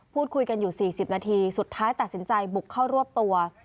พูดคุยกันอยู่๔๐นาทีสุดท้ายตัดสินใจบุกเข้ารวบตัว